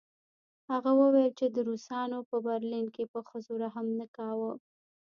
هغه وویل چې روسانو په برلین کې په ښځو رحم نه کاوه